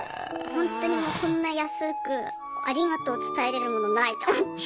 ほんとにもうこんな安くありがとうを伝えれるものないと思って。